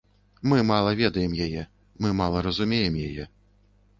Мы мала ведаем яе, мы мала разумеем яе.